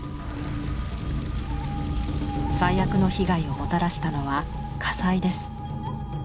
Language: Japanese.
最悪の被害をもたらしたのは火災です。